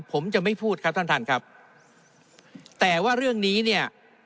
ผมจะไม่พูดครับท่านท่านครับแต่ว่าเรื่องนี้เนี่ย